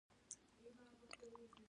افغانستان د بزګان کوربه دی.